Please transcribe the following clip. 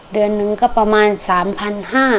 เดือนหนึ่งก็ประมาณ๓๕๐๐บาท